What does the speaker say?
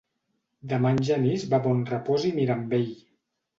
Demà en Genís va a Bonrepòs i Mirambell.